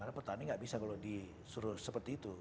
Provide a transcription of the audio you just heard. karena pertanian gak bisa kalau disuruh seperti itu